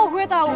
oh gue tau